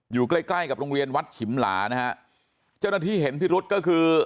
อยู่ใกล้ใกล้กับโรงเรียนวัดฉิมหลานะฮะเจ้าหน้าที่เห็นพิรุษก็คือ